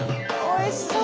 おいしそう。